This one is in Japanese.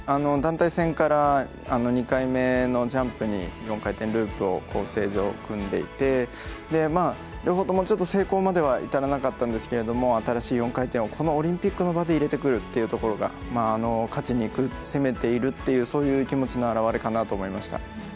団体戦から２回目のジャンプに４回転ループを組んでいて両方とも成功まではいたらなかったんですけども新しい４回転をこのオリンピックの場で入れてくるっていうところが勝ちにいく、攻めているというそういう気持ちの表れかなと思いました。